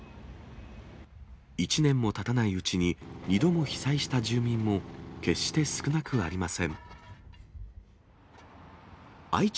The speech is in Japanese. １年もたたないうちに、２度も被災した住民も、決して少なくありません。